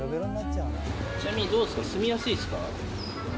ちなみにどうですか、住みやすいですか？